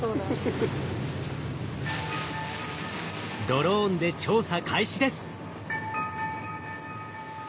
ドローンで調査開始です。